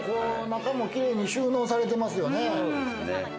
中も綺麗に収納されてますよね。